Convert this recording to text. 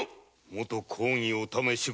元公儀おためし